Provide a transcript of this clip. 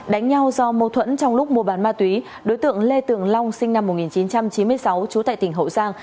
đánh nhau do mâu thuẫn trong lúc mua bán ma túy đối tượng lê tường long sinh năm một nghìn chín trăm chín mươi sáu trú tại tỉnh hậu giang